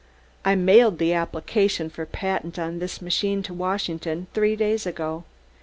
I mailed the application for patent on this machine to Washington three days ago.